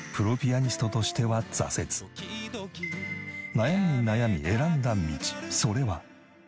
悩みに悩み選んだ道それは。